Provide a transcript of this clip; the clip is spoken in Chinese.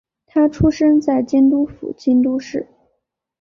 她出生在京都府京都市。